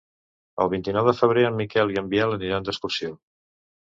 El vint-i-nou de febrer en Miquel i en Biel aniran d'excursió.